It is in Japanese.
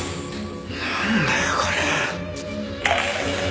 なんだよこれは。